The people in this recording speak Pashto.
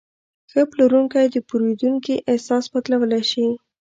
ښه پلورونکی د پیرودونکي احساس بدلولی شي.